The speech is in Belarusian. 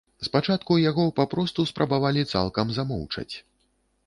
Спачатку яго папросту спрабавалі цалкам замоўчаць.